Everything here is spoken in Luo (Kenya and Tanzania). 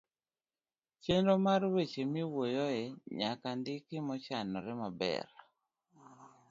chenro mar weche miwuoyoe nyaka ndik mochanore maber.